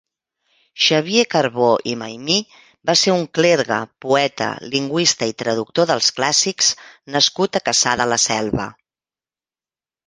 Xavier Carbó i Maymí va ser un clergue, poeta, lingüista i traductor dels clàssics nascut a Cassà de la Selva.